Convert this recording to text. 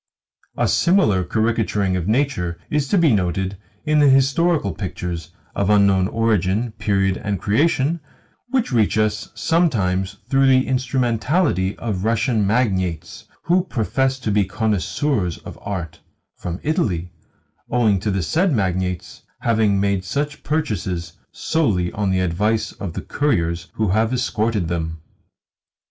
A similar caricaturing of nature is to be noted in the historical pictures (of unknown origin, period, and creation) which reach us sometimes through the instrumentality of Russian magnates who profess to be connoisseurs of art from Italy; owing to the said magnates having made such purchases solely on the advice of the couriers who have escorted them.